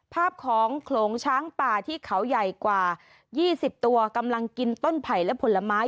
ภาพของโขลงช้างป่าที่เขาใหญ่กว่า๒๐ตัวกำลังกินต้นไผ่และผลไม้